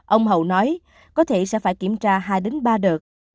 ông hậu nói có thể sẽ phải kiểm tra hai đến ba đợt